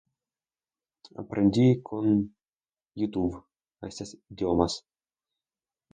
Aprendí con Youtube, estes idiomas.